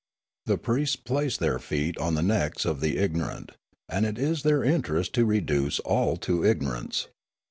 The priests place their feet on the necks of the ignor ant, and it is their interest to reduce all to ignorance.